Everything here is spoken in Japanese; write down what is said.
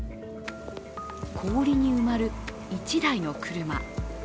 氷に埋まる１台の車。